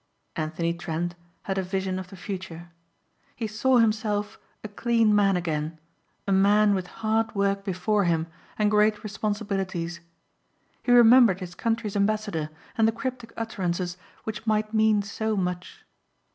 Anthony Trent had a vision of the future. He saw himself a clean man again, a man with hard work before him and great responsibilities. He remembered his country's ambassador and the cryptic utterances which might mean so much.